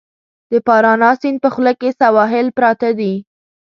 د پارانا سیند په خوله کې سواحل پراته دي.